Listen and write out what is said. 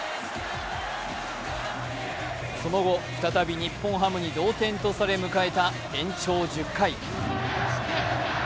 その後、再び日本ハムに同点とされ迎えた、延長１０回。